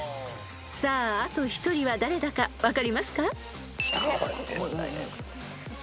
［さああと一人は誰だか分かりますか？］